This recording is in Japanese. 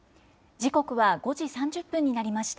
時刻は５時３０分になりました。